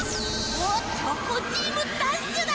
おっチョコンチームダッシュだ！